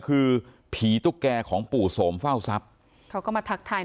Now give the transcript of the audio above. คือผีตุ๊กแก่ของปู่สมฝ่าสัปเขาก็รายังไง